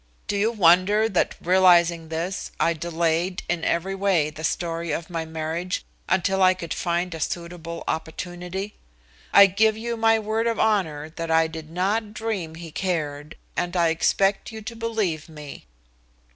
Do you wonder that realizing this I delayed in every way the story of my marriage until I could find a suitable opportunity? I give you my word of honor that I did not dream he cared, and I expect you to believe me."